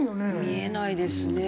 見えないですね。